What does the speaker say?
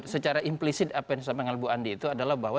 secara implisit apa yang disampaikan bu andi itu adalah bahwa